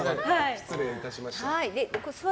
失礼いたしました。